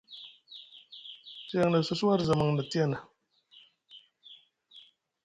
Seŋ na sosi war zamaŋ na tiyana.